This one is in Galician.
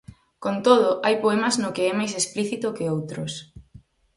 Con todo, hai poemas no que é máis explícito que outros.